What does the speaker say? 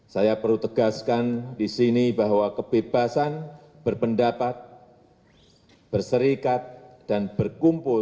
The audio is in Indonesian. saya perlu tegaskan di sini bahwa kebebasan berpendapat berserikat dan berkumpul